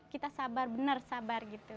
kita sabar benar sabar